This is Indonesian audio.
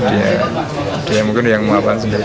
dia mungkin yang memaparkan sendiri